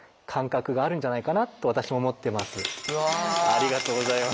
ありがとうございます。